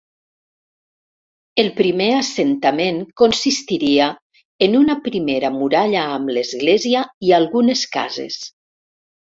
El primer assentament consistiria en una primera muralla amb l'església i algunes cases.